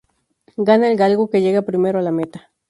Gana el galgo que llega primero a la meta.